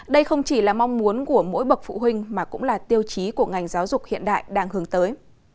đây không chỉ là mong muốn của mỗi bậc phụ huynh mà cũng là tiêu chí của ngành giáo dục hiện đại đang hướng tới